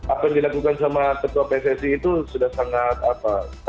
apa yang dilakukan sama ketua pssi itu sudah sangat menjaga maruah republik kita